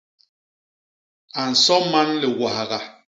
A nso man liwagha.